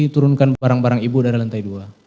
turunkan barang barang ibu dari lantai dua